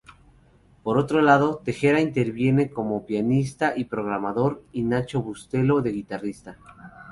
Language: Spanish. Por otro lado, Tejera interviene como pianista y programador y Nacho Bustelo, de guitarrista.